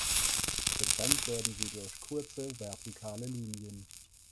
Getrennt werden sie durch kurze vertikale Linien.